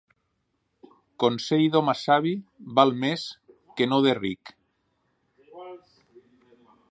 Consell d'home savi val més que no de ric.